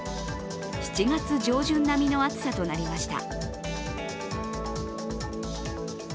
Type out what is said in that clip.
７月上旬並みの暑さとなりました。